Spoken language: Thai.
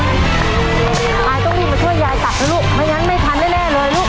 อายต้องรีบมาช่วยยายตักนะลูกไม่งั้นไม่ทันแน่เลยลูก